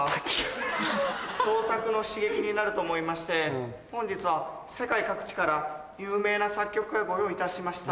創作の刺激になると思いまして本日は世界各地から有名な作曲家をご用意いたしました。